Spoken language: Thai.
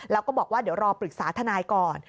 แล้วก็บอกว่าเดี๋ยวรอปรึกษาทนายก่อน